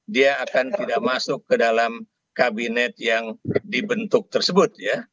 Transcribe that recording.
dia akan tidak masuk ke dalam kabinet yang dibentuk tersebut